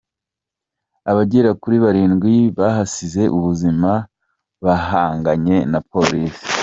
Abagera kuri barindwi bahasize ubuzima bahanganye na Polisi.